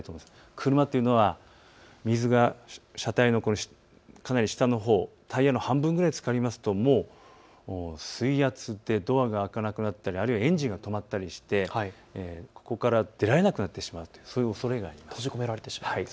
車というのは水が車体のかなり下のほう、タイヤの半分ぐらいつかりますともう水圧でドアが開かなくなったり、あるいはエンジンが止まったりしてここから出られなくなってしまう、そういうおそれがあります。